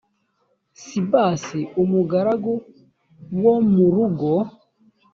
sibas umugaragu wo mu rugo